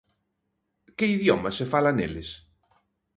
Que idioma se fala neles?